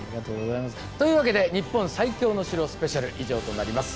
というわけで「日本最強の城スペシャル」以上となります。